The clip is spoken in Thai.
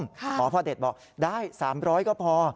หมอพ่อเด็ดบอกได้๓๐๐ก็พอ